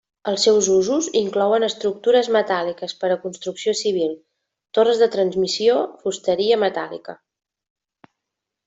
Els seus usos inclouen estructures metàl·liques per a construcció civil, torres de transmissió, fusteria metàl·lica.